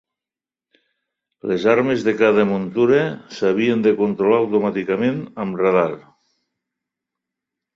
Les armes de cada muntura s'havien de controlar automàticament amb radar.